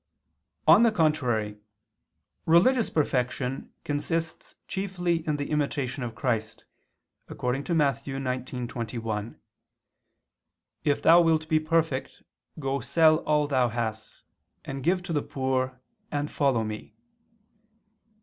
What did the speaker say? On the contrary, Religious perfection consists chiefly in the imitation of Christ, according to Matt. 19:21, "If thou wilt be perfect, go sell all [Vulg.: 'what'] thou hast, and give to the poor, and follow Me."